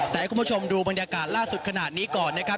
แต่ให้คุณผู้ชมดูบรรยากาศล่าสุดขนาดนี้ก่อนนะครับ